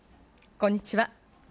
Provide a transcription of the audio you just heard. こんにちは。